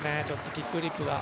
キックフリップが。